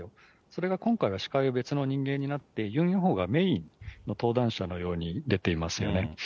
それが今回は司会は別の人間になって、ユン・ヨンホがメインの登壇者のように出ていますよね。